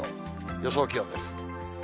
予想気温です。